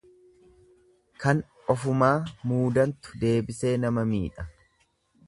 Kan ofumaa muudantu deebisee nama miidha.